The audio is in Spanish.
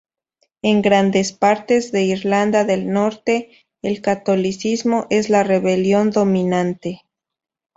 En grandes partes de Irlanda del Norte, el catolicismo es la religión dominante.